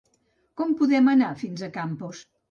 Com podem anar fins a Campos?